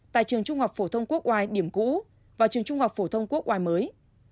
tại trường trung học phổ thông quốc oai điểm cũ và trường trung học phổ thông quốc ngoài mới